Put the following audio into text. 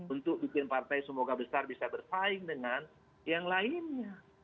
untuk bikin partai semoga besar bisa bersaing dengan yang lainnya